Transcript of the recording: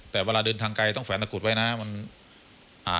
แต่เวลาเดินทางไกลต้องแฝงตะกรูดไว้นะ